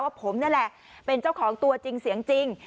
ผมนี่แหละเป็นเจ้าของตัวจริงเสียงจริง